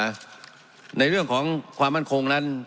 ในเรื่องของความมั่นคงนั้น